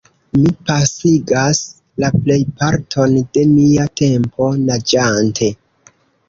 Mi pasigas la plejparton de mia tempo naĝante.